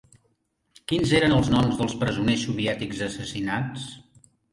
Quins eren els noms dels presoners soviètics assassinats?